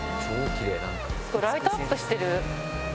ライトアップしてる。